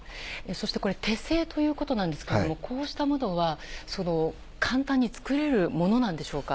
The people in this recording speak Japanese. そしてこれ手製ということなんですけれども、こうしたものは、簡単に作れるものなんでしょうか。